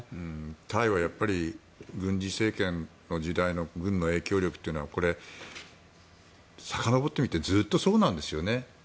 タイは軍事政権の時代の軍の影響力というのがこれ、さかのぼってみてずっとそうなんですよね。